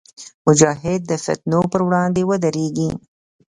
مجاهد د فتنو پر وړاندې ودریږي.